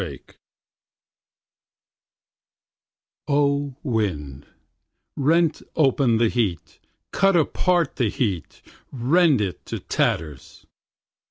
Heat O WIND, rend open the heat, cut apart the heat, rend it to tatters.